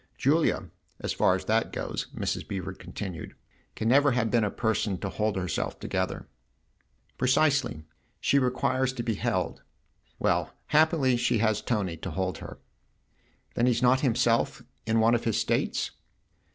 Julia, as far as that goes," Mrs. Beever continued, " can never have been a person to hold herself together." 1 ' Precisely she requires to be held. Well, happily she has Tony to hold her." " Then he's not himself in one of his states